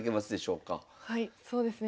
はいそうですね